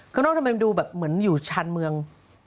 คือต้องทำเป็็นดูเหมือนอยู่ชานเมือง